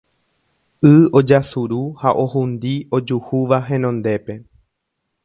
Y ojasuru ha ohundi ojuhúva henondépe